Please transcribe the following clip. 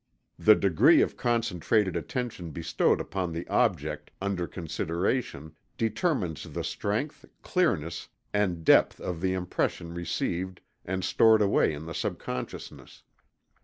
The degree of concentrated attention bestowed upon the object under consideration, determines the strength, clearness and depth of the impression received and stored away in the subconsciousness.